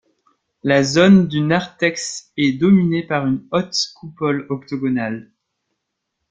La zone du narthex est dominée par une haute coupole octogonale.